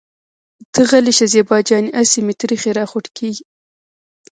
ته غلې شه زېبا جانې اسې مې تريخی راخوټکېږي.